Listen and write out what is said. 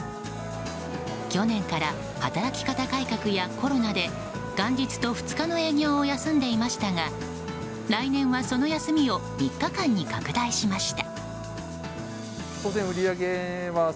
去年から働き方改革やコロナで元日と２日の営業を休んでいましたが来年はその休みを３日間に拡大しました。